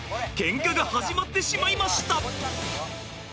ケンカが始まってしまいました。